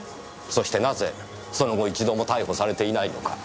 そしてなぜその後一度も逮捕されていないのか。